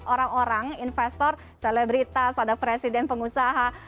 orang orang investor selebritas ada presiden pengusaha